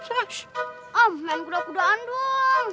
om main kuda kudaan dong